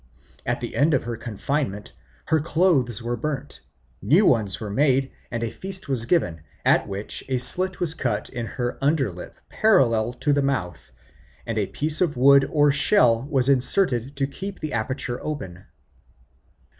At the end of her confinement her old clothes were burnt, new ones were made, and a feast was given, at which a slit was cut in her under lip parallel to the mouth, and a piece of wood or shell was inserted to keep the aperture open.